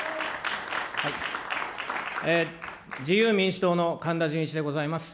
自由民主党の神田潤一でございます。